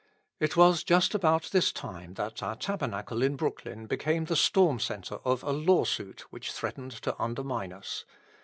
It was just about this time that our Tabernacle in Brooklyn became the storm centre of a law suit which threatened to undermine us.